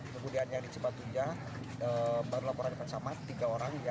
kemudian di cipatujah baru laporan kesamat tiga orang yang meninggal